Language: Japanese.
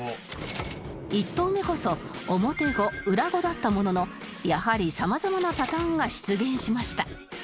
１投目こそ表５裏５だったもののやはり様々なパターンが出現しました